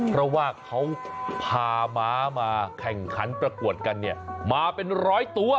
เพราะว่าเขาพาม้ามาแข่งขันประกวดกันเนี่ยมาเป็นร้อยตัว